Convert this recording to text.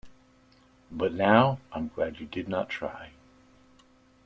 But now, I’m glad you did not try.